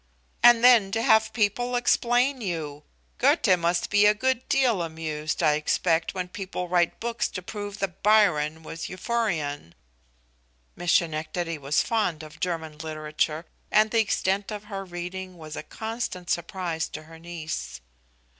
And then to have people explain you. Goethe must be a good deal amused, I expect, when people write books to prove that Byron was Euphorion." Miss Schenectady was fond of German literature, and the extent of her reading was a constant surprise to her niece.